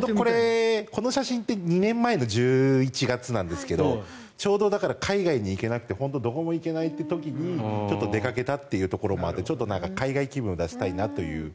この写真って２年前の１１月なんですがちょうど海外に行けなくてどこにも行けないという時に出かけたというところもあって海外気分を出したいなという。